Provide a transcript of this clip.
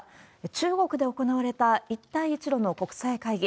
中国で行われた、一帯一路の国際会議。